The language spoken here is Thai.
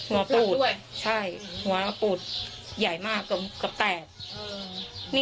นี่ก็เลยปิดประตูแล้วก็วิ่งมาก็เห็นแฟนยืนช่วงประมาณนั้นพอดี